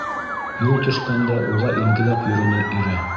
Юл төшкәндә уға ингеләп йөрөнө ире.